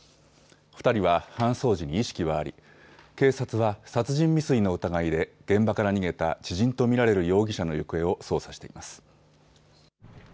２人は搬送時に意識はあり警察は殺人未遂の疑いで現場から逃げた知人と見られる容疑者の行方を捜査しています。